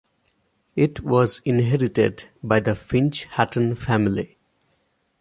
It was inherited by the Finch-Hatton family.